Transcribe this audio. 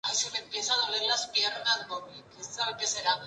Addison y Sam rompieron porque Sam no quería tener hijos.